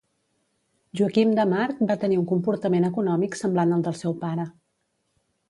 Joaquim de March va tenir un comportament econòmic semblant al del seu pare.